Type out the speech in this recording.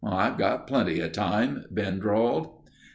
"I've got plenty of time," Ben drawled.